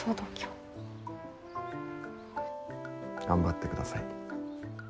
頑張ってください。